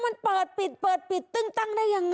มันเปิดปิดเปิดปิดตึ้งตั้งได้ยังไง